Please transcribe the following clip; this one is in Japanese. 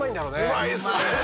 うまいっすね。